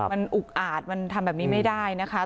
มันอุกอาจมันทำแบบนี้ไม่ได้นะคะ